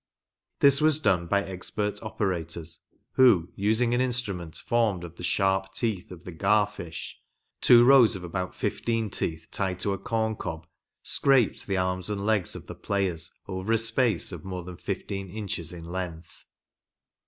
This was done by export operators, who using an instru ment formed of the sharp teeth of the gar fish ‚ÄĒ two rows of about Iiftcen teeth tied to a corn cob, scraped the arms and legs of tho players over a space of more than fifteen inches in length.